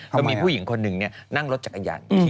ก็มีผู้หญิงคนหนึ่งนั่งรถจักรยาน